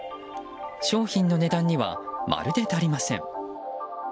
商品の値段にはまるで足りません。